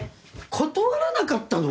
断らなかったの？